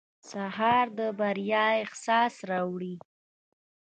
سهار د بریا احساس راوړي.